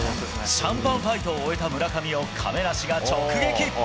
シャンパンファイトを終えた村上を亀梨が直撃。